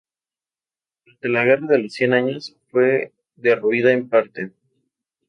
Durante la Guerra de los Cien Años fue derruida en parte.